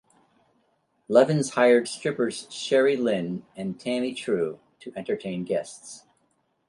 Levens hired strippers Sherry Lynn and Tammi True to entertain guests.